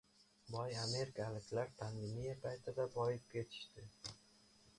Boy amerikaliklar pandemiya paytida boyib ketishdi